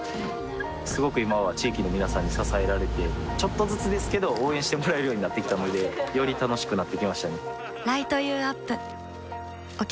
すごく今は地域の皆さんに支えられてちょっとずつですけど応援してもらえるようになってきたのでより楽しくなってきましたね